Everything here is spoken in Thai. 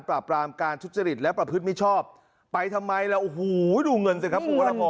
ปราบรามการทุจริตและประพฤติมิชชอบไปทำไมล่ะโอ้โหดูเงินสิครับคุณวรพร